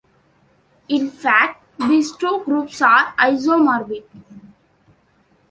In fact, these two groups are isomorphic.